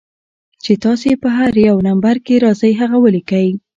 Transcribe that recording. چې تاسو پۀ هر يو نمبر کښې راځئ هغه وليکئ